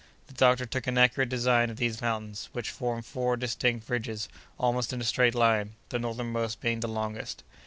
The doctor took an accurate design of these mountains, which form four distinct ridges almost in a straight line, the northernmost being the longest.